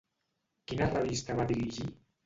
Quina revista va dirigir?